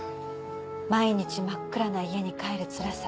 毎日真っ暗な家に帰るつらさ。